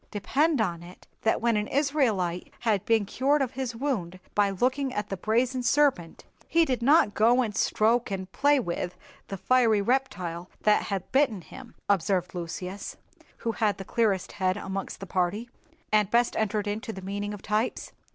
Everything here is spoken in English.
"Depend upon it, that when an Israelite had been cured of his wound by looking at the brazen serpent, he did not go and stroke and play with the fiery reptile that had bitten him," observed Lucius, who had the clearest head amongst the party, and best entered into the meaning of types.